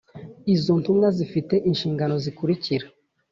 Izo ntumwa zifite inshingano zikurikira